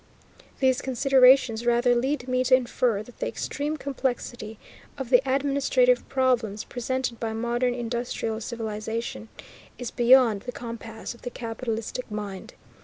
These considerations rather lead me to infer that the extreme complexity of the administrative problems presented by modern industrial civilization is beyond the compass of the capitalistic mind.